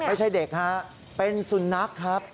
ไม่ใช่เด็กฮะเป็นสุนัขครับ